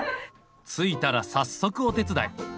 着いたら早速お手伝い。